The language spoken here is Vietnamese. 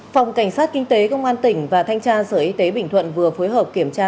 phòng cảnh sát kinh tế công an tỉnh và thanh tra sở y tế bình thuận vừa phối hợp kiểm tra